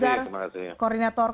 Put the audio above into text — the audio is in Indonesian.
terima kasih pak koordinator